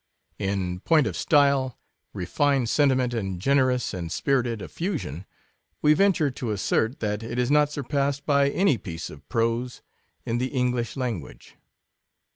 In point of style, refined sentiment, and generous and spirited effusion, we venture to assert, that it is not surpassed by any piece of prose in the English language.